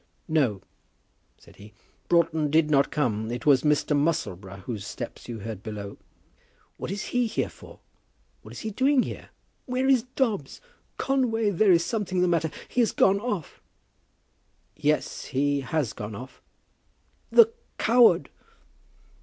"No," said he, "Broughton did not come. It was Mr. Musselboro whose steps you heard below." "What is he here for? What is he doing here? Where is Dobbs? Conway, there is something the matter. He has gone off!" "Yes; he has gone off." "The coward!"